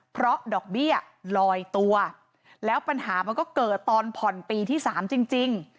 เพราะดอกเบี้ยลอยตัวแล้วปัญหามันก็เกิดตอนผ่อนปีที่๓จริง